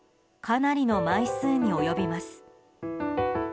かなりの枚数に及びます。